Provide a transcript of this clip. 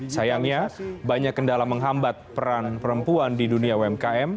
sayangnya banyak kendala menghambat peran perempuan di dunia umkm